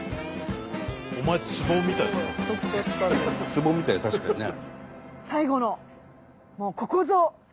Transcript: ツボみたい確かにね。